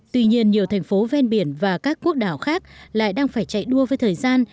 tuy nhiên nhiều thành phố ven biển và các quốc đảo khác lại đang phải chạy đua với thời gian